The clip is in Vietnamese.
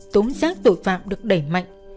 tốn giác tội phạm được đẩy mạnh